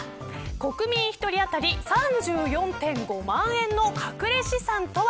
国民１人当たり３４．５万円のかくれ資産とは。